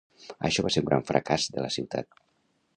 Això va ser un gran fracàs de la ciutat